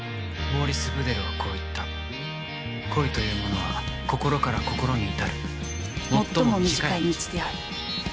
モーリス・ブデルはこう言った恋というものは心から心に至る最も短い道である